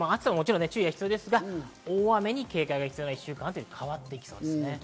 まだ注意は必要ですが、大雨に警戒が必要な週に変わってきそうです。